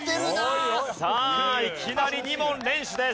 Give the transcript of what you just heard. さあいきなり２問連取です。